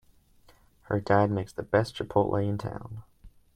Her dad makes the best chipotle in town!